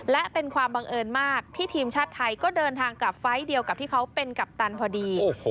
และเป็นความบังเอิญมากที่ทีมชาติไทยก็เดินทางกับไฟล์เดียวกับที่เขาเป็นกัปตันพอดี